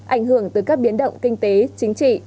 ảnh hưởng tới các biến động kinh tế chính trị